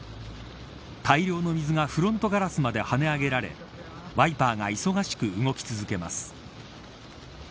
大量の水がフロントガラスまで跳ね上げられワイパーが忙しく動き続けます。